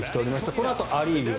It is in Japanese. このあとア・リーグ。